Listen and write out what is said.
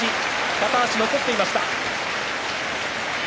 片足、残っていました。